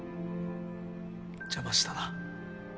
邪魔したな。